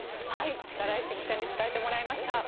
力石記者に伝えてもらいました。